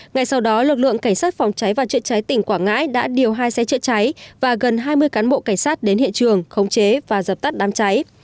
ngay sau đó lực lượng cảnh sát phòng cháy và chữa cháy tỉnh quảng ngãi đã điều hai xe chữa cháy và gần hai mươi cán bộ cảnh sát đến hiện trường khống chế và dập tắt đám cháy